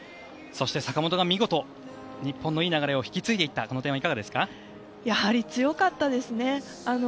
そして坂本が見事日本のいい流れを引き継いでいったやはり強かったですね。